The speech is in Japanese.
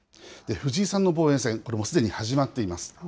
藤井さんの防衛戦、これもうすでに始まっています。